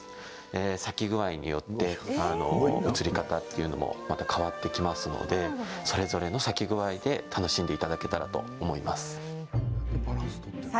咲き具合によって映り方っていうのもまた変わってきますのでそれぞれの咲き具合で楽しんでいただけたらと思います。